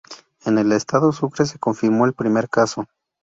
En el Estado Sucre se confirmó el primer caso.